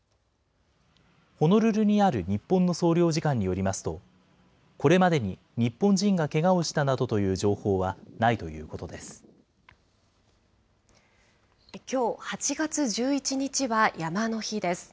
ホノルルにある日本の総領事館によりますと、これまでに日本人がけがをしたなどという情報はないということできょう、８月１１日は山の日です。